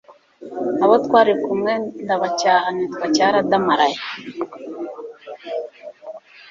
Abo twari turi kumwe ndabacyahaNitwa Cyaradamaraye